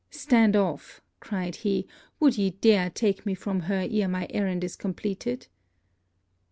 'Stand off!' cried he, 'would ye dare take me from her ere my errand is completed?'